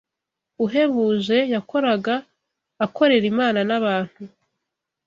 uhebuje yakoraga akorera Imana n’abantu